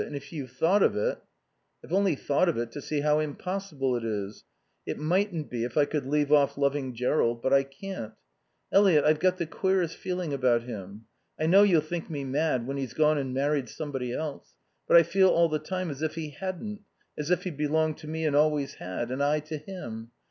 And if you've thought of it " "I've only thought of it to see how impossible it is. It mightn't be if I could leave off loving Jerrold. But I can't...Eliot, I've got the queerest feeling about him. I know you'll think me mad, when he's gone and married somebody else, but I feel all the time as if he hadn't, as if he belonged to me and always had; and I to him.